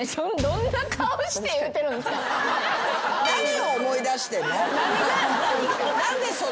何を思い出してんの？